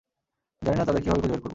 জানিনা তাদের কিভাবে খুঁজে বের করব।